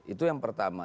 itu yang pertama